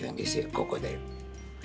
ここで。